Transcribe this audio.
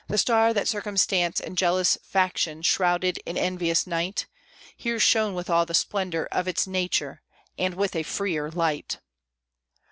The star that circumstance and jealous faction shrouded in envious night Here shone with all the splendor of its nature, and with a freer light!